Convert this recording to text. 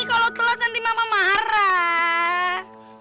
kalau telat nanti mama marah